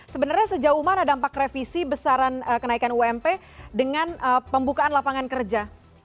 sebenarnya sejauh mana dampak revisi besaran kenaikan ump dengan pembukaan lapangan kerja